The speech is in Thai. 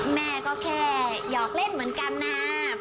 แม่ก็แค่หยอกเล่นเหมือนกันนะ